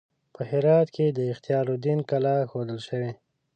په هرات کې د اختیار الدین کلا ښودل شوې.